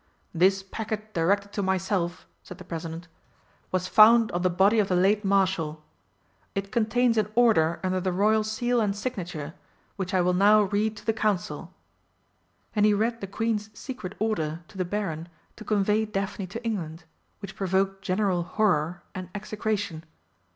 "This packet directed to myself," said the President, "was found on the body of the late Marshal. It contains an order under the Royal seal and signature, which I will now read to the Council." And he read the Queen's secret order to the Baron to convey Daphne to England, which provoked general horror and execration.